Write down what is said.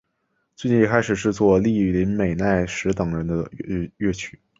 最近也开始制作栗林美奈实等人的乐曲。